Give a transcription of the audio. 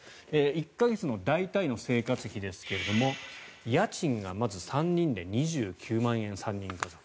１か月の大体の生活費ですが家賃がまず３人で２９万円３人家族。